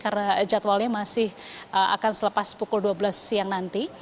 karena jadwalnya masih akan selepas pukul dua belas siang nanti